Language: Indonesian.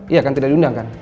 iya kan tidak diundang kan